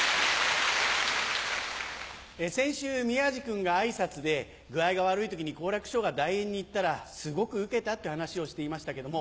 先週宮治君が挨拶で具合が悪い時に好楽師匠が代演に行ったらすごくウケたっていう話をしていましたけども。